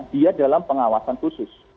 dia dalam pengawasan khusus